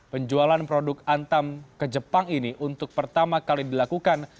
penjualan produk antam ke jepang ini untuk pertama kali dilakukan